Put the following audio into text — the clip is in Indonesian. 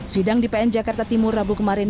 sidang di pn jakarta timur rabu kemarin